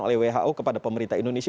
oleh who kepada pemerintah indonesia